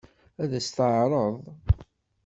Ad as-t-teɛṛeḍ?